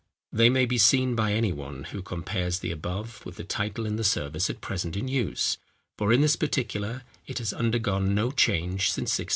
They may be seen by any one, who compares the above with the title in the service at present in use, for in this particular it has undergone no change since 1662.